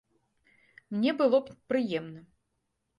Мне было бы прыемна.